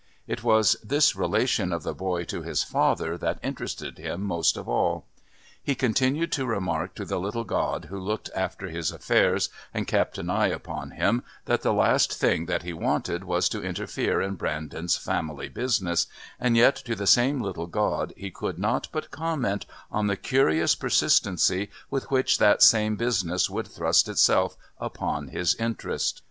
It was this relation of the boy to his father that interested him most of all. He continued to remark to the little god who looked after his affairs and kept an eye upon him that the last thing that he wanted was to interfere in Brandon's family business, and yet to the same little god he could not but comment on the curious persistency with which that same business would thrust itself upon his interest.